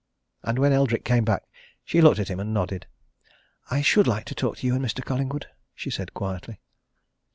And when Eldrick came back she looked at him and nodded. "I should like to talk to you and Mr. Collingwood," she said quietly.